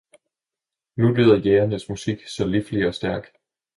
Nu lyder jægernes musik, så liflig og stærk.